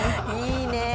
いいねー！